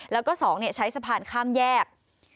แล้วก็๒ใช้สะพานข้ามแยก